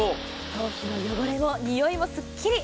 頭皮の汚れもにおいもすっきり。